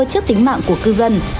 trước tính mạng của cư dân